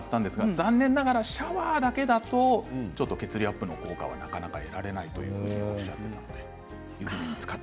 残念ながらシャワーだけだと血流アップの効果はなかなか得られないとおっしゃっていました。